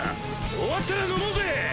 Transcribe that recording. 終わったら飲もうぜ！